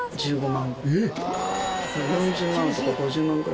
４０万とか５０万ぐらい。